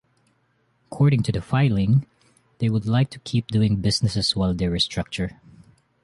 According to the filing, they would like to keep doing business while they restructure.